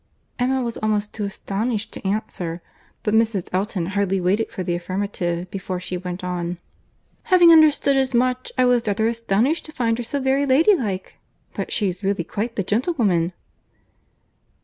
Emma was almost too much astonished to answer; but Mrs. Elton hardly waited for the affirmative before she went on. "Having understood as much, I was rather astonished to find her so very lady like! But she is really quite the gentlewoman."